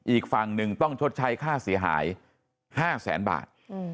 อีกฝั่งหนึ่งต้องชดใช้ค่าเสียหาย๕แสนบาท